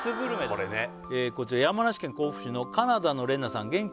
これねこちら山梨県甲府市のカナダのれなさん元気？